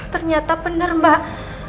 ternyata bener mbak